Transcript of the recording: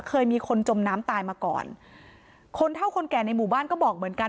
เคยมีคนจมน้ำตายมาก่อนคนเท่าคนแก่ในหมู่บ้านก็บอกเหมือนกัน